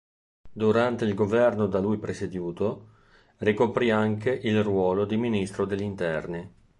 Durante il governo da lui presieduto ricoprì anche il ruolo di Ministro degli Interni.